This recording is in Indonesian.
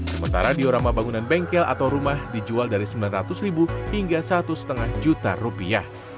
sementara diorama bangunan bengkel atau rumah dijual dari sembilan ratus ribu hingga satu lima juta rupiah